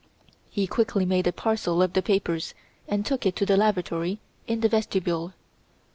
He quickly made a parcel of the papers and took it to the lavatory in the vestibule.